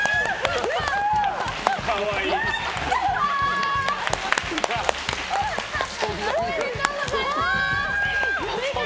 可愛い。おめでとうございます！